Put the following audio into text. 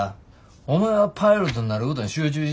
お前はパイロットになることに集中し。